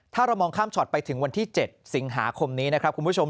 ถ้าเรามองข้ามช็อตไปถึงวันที่๗สิงหาคมนี้นะครับคุณผู้ชม